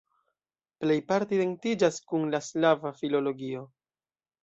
Plejparte identiĝas kun la slava filologio.